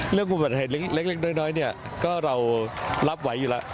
เรื่องอุบัติเหตุเล็กน้อยเนี่ยก็เรารับไหวอยู่แล้ว